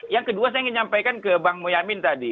yang kedua saya ingin menyampaikan ke bang boyamin tadi